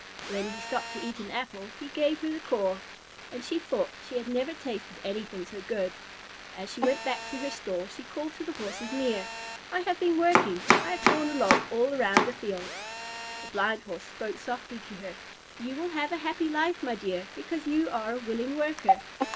When he stopped to eat an apple, he gave her the core, and she thought she had never tasted anything so good. As she went back to her stall, she called to the Horses near, "I have been working. I have drawn a log all around a field." The Blind Horse spoke softly to her. "You will have a happy life, my dear, because you are a willing worker."